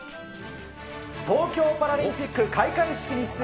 東京パラリンピック開会式に出演